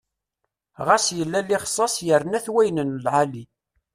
Ɣas yella lixsas yerna-t wayen n lɛali.